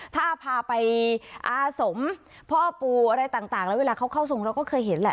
ถ้าพาไปอาสมพ่อปู่อะไรต่างแล้วเวลาเขาเข้าทรงเราก็เคยเห็นแหละ